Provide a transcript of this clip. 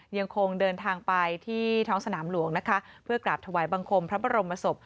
ยังคงเดินทางไปที่ท้องสนามหลวงนะคะเพื่อกราบถวายบังคมพระบรมศพ